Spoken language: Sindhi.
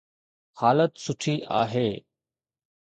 حالت سٺي آهي